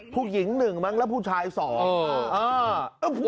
ผู้หญิงหนึ่งมั้งแล้วผู้ชายสองอ่า